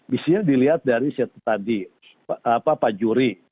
isinya dilihat dari set tadi pak juri